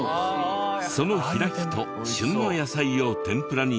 その開きと旬の野菜を天ぷらにした